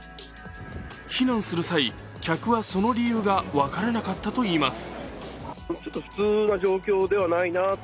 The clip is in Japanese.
避難する際、客はその理由が分からなかったといいます。